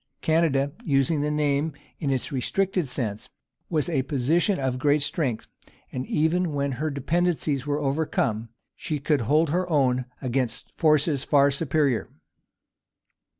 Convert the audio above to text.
Canada using the name in its restricted sense was a position of great strength; and even when her dependencies were overcome, she could hold her own against forces far superior.